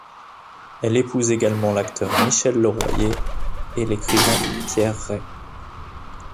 Elle épouse également l'acteur Michel Le Royer et l'écrivain Pierre Rey.